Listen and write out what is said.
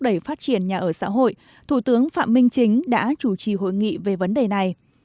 đẩy phát triển nhà ở xã hội thủ tướng phạm minh chính đã chủ trì hội nghị về vấn đề này